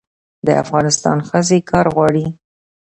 د افغانستان ښځې کار غواړي